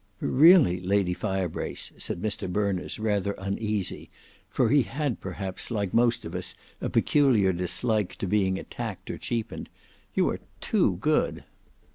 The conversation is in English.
"Really, Lady Firebrace," said Mr Berners rather uneasy, for he had perhaps like most of us a peculiar dislike to being attacked or cheapened. "You are too good."